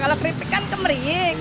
kalau keripik kan kemering